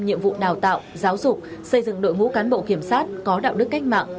nhiệm vụ đào tạo giáo dục xây dựng đội ngũ cán bộ kiểm sát có đạo đức cách mạng